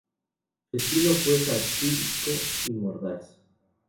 Su estilo fue satírico y mordaz.